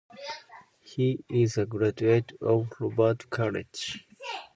He is a graduate of Robert College.